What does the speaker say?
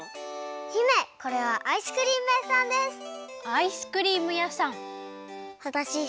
姫これはアイスクリーム屋さんです。